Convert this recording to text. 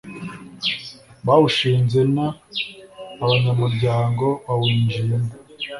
bawushinze n abanyamuryango bawinjiyemo